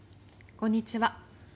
こんにちは。